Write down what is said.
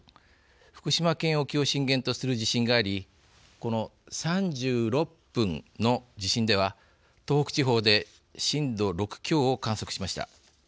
福島県沖を震源とする地震がありこの３６分の地震では東北地方で震度６強を観測しました。